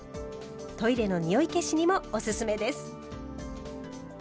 トイレの臭い消しにもおすすめです。